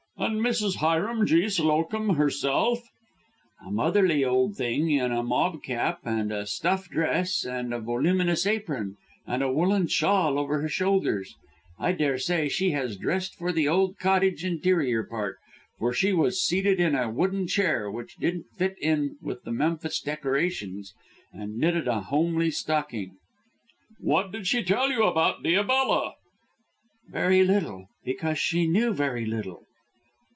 "And Mrs. Hiram G. Slowcomb herself?" "A motherly old thing in a mob cap and a stuff dress with a voluminous apron and a woollen shawl over her shoulders. I daresay she has dressed for the old cottage interior part, for she was seated in a wooden chair which didn't fit in with the Memphis decorations, and knitted a homely stocking." "What did she tell you about Diabella?" "Very little, because she knew very little."